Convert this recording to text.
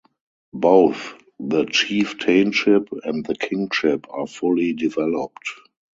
Both the chieftainship and the kingship are fully developed.